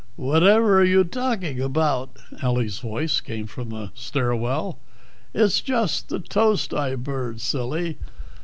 "Whadtever are you talking about?" Ellie's voice came from the stair well. "It's just the toast I burned, silly."